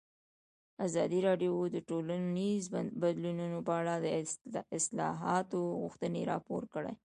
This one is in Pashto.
ازادي راډیو د ټولنیز بدلون په اړه د اصلاحاتو غوښتنې راپور کړې.